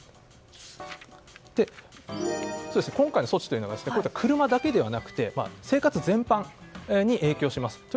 今回の措置というのが車だけではなくて生活全般に影響します。